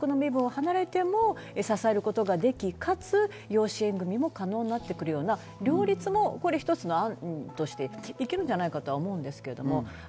女性皇族は皇族の身分を離れても、支えることができ、かつ養子縁組も可能になってくるような両立も一つの案としていけるんじゃないかと思うんですけれど。